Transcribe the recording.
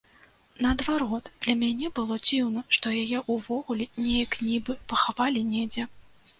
Наадварот, для мяне было дзіўна, што яе ўвогуле неяк нібы пахавалі недзе.